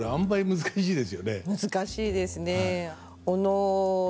難しいですね。